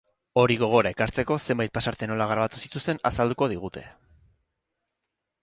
Hori gogora ekartzeko, zenbait pasarte nola grabatu zituzten azalduko digute.